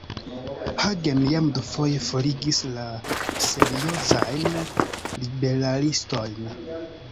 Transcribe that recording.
Hagen jam dufoje forigis la seriozajn liberalistojn.